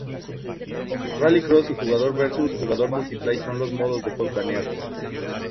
Rallycross y jugador versus jugador multiplayer son los modos de juegos planeados.